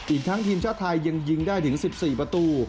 อีกทั้งทีมชาติไทยยังยิงได้ถึง๑๔ประตู